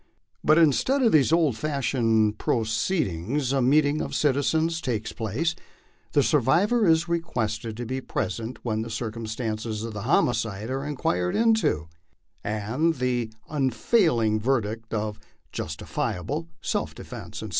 But instead of these old fashioned proceed ings, a meeting of citizens takes place, the survivor is requested to be present when the circumstances of the homicide are inquired into, and the unfailing verdict of "justifiable," "self defence," etc.